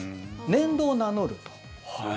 年度を名乗る。